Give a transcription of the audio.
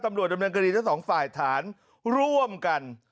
ตำรวจดำเนินคดีทั้งสองฝ่ายฐานร่วมกัน